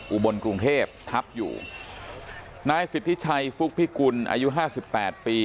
อุบลกรุงเทพทับอยู่นายสิทธิชัยฟุกพิกุลอายุห้าสิบแปดปี